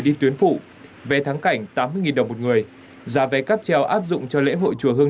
đi tuyến phụ vé tháng cảnh tám mươi đồng một người giá vé cáp treo áp dụng cho lễ hội chùa hương